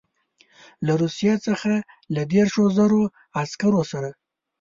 له روسیې څخه له دېرشو زرو عسکرو سره.